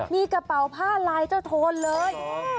มีกระเป๋าผ้าลายเจ้าโทนเลย